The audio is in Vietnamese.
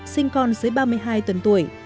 sinh con dưới ba mươi hai tuần tuổi